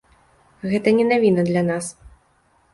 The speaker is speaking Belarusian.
Гэта не навіна для нас.